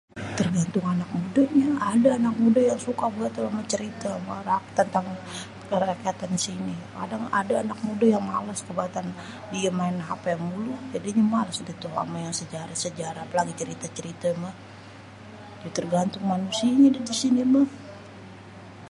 Tergantung anak mudanya. Ada anak muda yang suka banget ama cerita marak tentang kerakyatan sini. Kadang ada anak muda yang males kebangetan, dia maen hapé mulu. Jadi udah tuh males sama sejarah-sejarah apalagi cerite-cerite mah. Tergantung manusianya di sini mah.